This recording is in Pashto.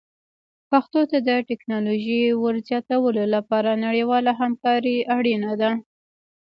پښتو ته د ټکنالوژۍ ور زیاتولو لپاره نړیواله همکاري اړینه ده.